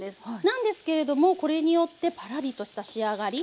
なんですけれどもこれによってパラリとした仕上がり。